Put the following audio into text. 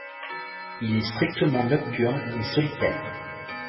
Il est strictement nocturne et solitaire.